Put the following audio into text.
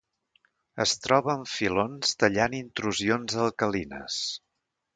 Es troba en filons tallant intrusions alcalines.